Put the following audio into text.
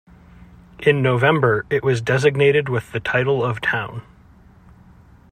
In November it was designated with the title of town.